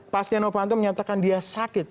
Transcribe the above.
pak stianopanto menyatakan dia sakit